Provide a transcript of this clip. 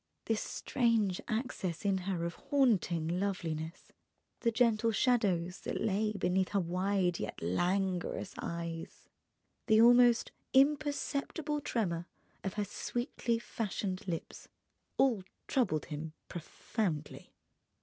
This strange access in her of haunting loveliness, the gentle shadows that lay beneath her wide—yet languorous eyes, the almost imperceptible tremor of her sweetly fashioned lips, all troubled him profoundly.